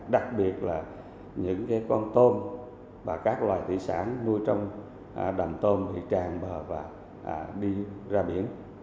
đặc biệt là những cái con tôm và các loài thủy sản nuôi trong đầm tôm thì tràn bờ và đi